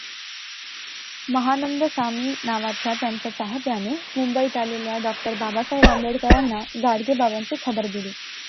महानंदसामी नावाच्या त्यांच्या चाहत्याने मुंबईत आलेल्या डॉ. बाबासाहेब आंबेडकरांना गाडगे बाबांची खबर दिली.